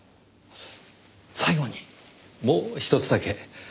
最後にもうひとつだけ。